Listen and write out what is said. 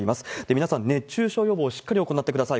皆さん、熱中症予防、しっかり行ってください。